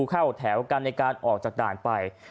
เข้าแถวกันในการออกจากด่านไป